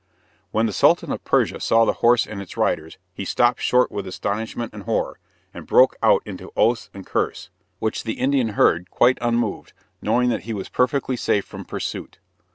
When the Sultan of Persia saw the horse and its riders, he stopped short with astonishment and horror, and broke out into oaths and curses, which the Indian heard quite unmoved, knowing that he was perfectly safe from pursuit.